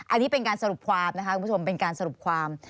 อันนี้เป็นการสรุปความนะคะ